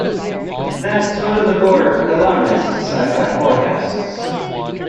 That's one of the more alarmist sci-fi forecasts.